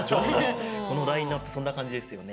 このラインナップそんなかんじですよね。